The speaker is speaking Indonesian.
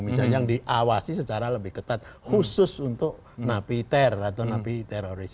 misalnya yang diawasi secara lebih ketat khusus untuk napi teror atau napi teroris